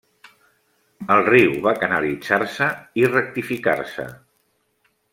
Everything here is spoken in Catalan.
El riu va canalitzar-se i rectificar-se.